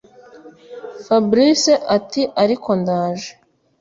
Fabric atiariko ndaje